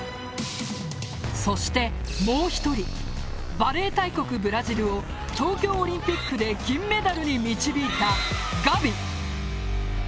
そして、もう１人バレー大国ブラジルを東京オリンピックで銀メダルに導いた、ガビ。